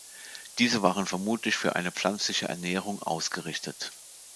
Diese waren vermutlich für eine pflanzliche Ernährung ausgerichtet.